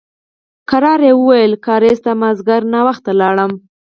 ورو يې وویل: کارېز ته مازديګر ناوخته لاړم.